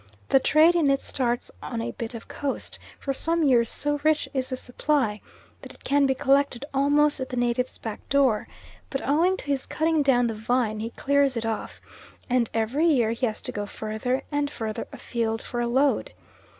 The trade in it starts on a bit of coast; for some years so rich is the supply, that it can be collected almost at the native's back door, but owing to his cutting down the vine, he clears it off, and every year he has to go further and further afield for a load.